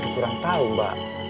kurang tahu mbak